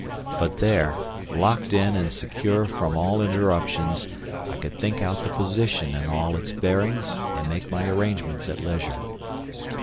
But there, locked in and secure from all interruptions, I could think out the position in all its bearings and make my arrangements at leisure.